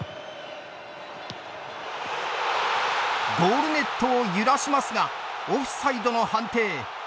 ゴールネットを揺らしますがオフサイドの判定。